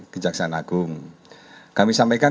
kejaksaan agung kami sampaikan